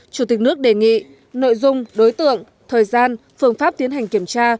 chủ tịch nước đề nghị nội dung đối tượng thời gian phương pháp tiến hành kiểm tra